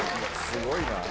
すごいなぁ。